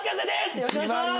よろしくお願いします！